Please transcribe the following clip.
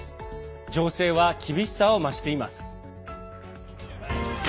情勢は厳しさを増しています。